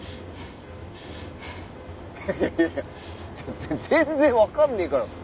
いやいやいや全然わかんねえからマジで。